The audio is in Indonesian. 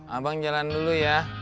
abang jalan dulu ya